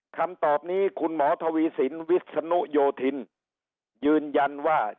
คำตอบนี้คุณหมอทวีสินวิศนุโยธินยืนยันว่า